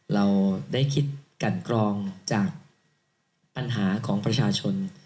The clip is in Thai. เราได้คิดกันกรองจากปัญหาของประชาชน